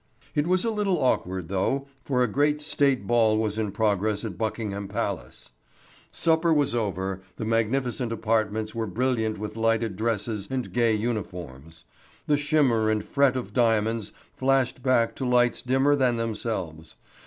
It was a little awkward, though, for a great State ball was in progress at Buckingham Palace. Supper was over, the magnificent apartments were brilliant with light dresses and gay uniforms. The shimmer and fret of diamonds flashed back to lights dimmer than themselves.